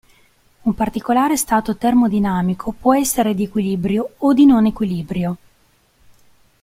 Un particolare stato termodinamico può essere di equilibrio o di non equilibrio.